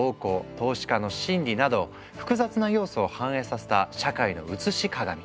投資家の心理など複雑な要素を反映させた社会のうつし鏡。